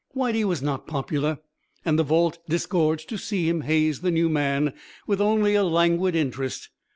Whitey was not popular, and the vault disgorged to see him haze the new man with only a languid interest.